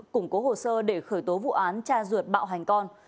củng cố hồ sơ để khởi tố vụ án cha ruột bạo hành con